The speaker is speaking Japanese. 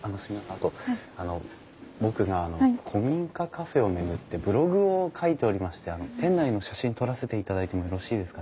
あと僕があの古民家カフェを巡ってブログを書いておりまして店内の写真撮らせていただいてもよろしいですかね？